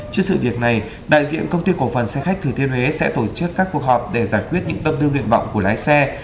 trước sự việc này đại diện công ty cổ phần xe khách thừa thiên huế sẽ tổ chức các cuộc họp để giải quyết những tâm tư nguyện vọng của lái xe